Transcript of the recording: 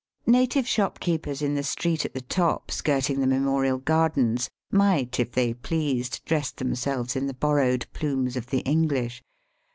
Native shopkeepers in the street at the top skirting the Memorial Gardens might, if they pleased, dress themselves in the borrowed plumes of the English.